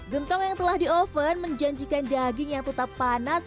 gentong yang telah di oven menjanjikan daging yang tetap panas